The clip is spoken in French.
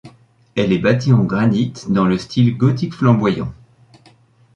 Elle est bâtie en granit, dans le style gothique flamboyant.